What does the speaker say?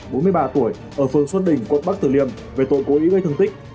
bốn mươi ba tuổi ở phường xuân đình quận bắc tử liêm về tội cố ý gây thương tích